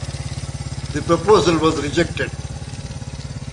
The proposal was rejected.